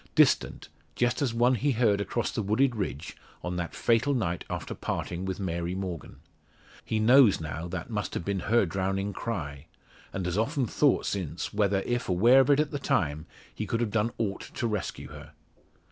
Distant, just as one he heard across the wooded ridge, on that fatal night after parting with Mary Morgan. He knows now, that must have been her drowning cry, and has often thought since whether, if aware of it at the time, he could have done aught to rescue her.